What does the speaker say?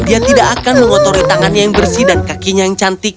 dia tidak akan mengotori tangannya yang bersih dan kakinya yang cantik